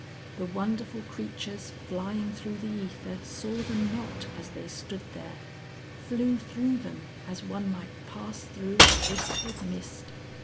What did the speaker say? The wonderful creatures flying through the æther saw them not as they stood there, flew through them as one might pass through a whisp of mist.